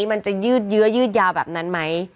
มันจะยืดเยื้อยืดยาวแบบนั้นไหม